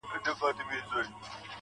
راسه چي زړه مي په لاسو کي درکړم.